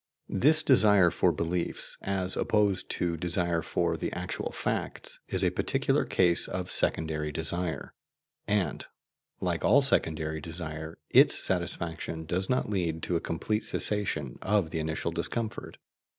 This desire for beliefs, as opposed to desire for the actual facts, is a particular case of secondary desire, and, like all secondary desire its satisfaction does not lead to a complete cessation of the initial discomfort.